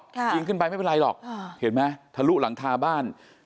ยิงขึ้นไปไม่เป็นไรหรอกเห็นไหมทะลุหลังคาบ้าน